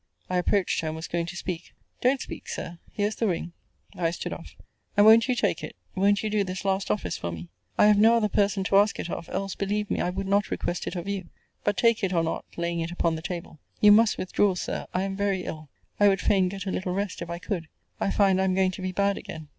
I approached her, and was going to speak Don't speak, Sir: here's the ring. I stood off. And won't you take it? won't you do this last office for me? I have no other person to ask it of; else, believe me, I would not request it of you. But take it, or not, laying it upon the table you must withdraw, Sir: I am very ill. I would fain get a little rest, if I could. I find I am going to be bad again.